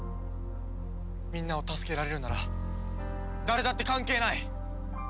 みんなを助けられるなら誰だって関係ない。